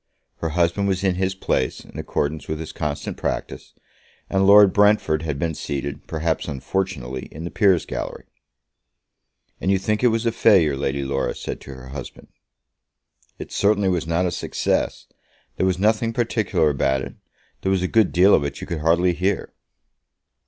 Her husband was in his place, in accordance with his constant practice, and Lord Brentford had been seated, perhaps unfortunately, in the peers' gallery. "And you think it was a failure?" Lady Laura said to her husband. "It certainly was not a success. There was nothing particular about it. There was a good deal of it you could hardly hear."